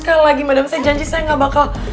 sekali lagi madame saya janji saya gak bakal